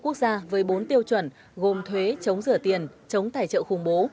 sáu mươi quốc gia với bốn tiêu chuẩn gồm thuế chống rửa tiền chống tài trợ khủng bố